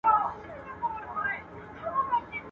چي ده سم نه کړل خدای خبر چي به په چا سمېږي.